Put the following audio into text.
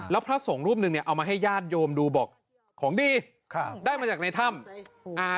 แล้วพระสงฆ์รูปนึงเอามาให้ญาติโยมดูบอกของดีได้มาจากในถ้ำ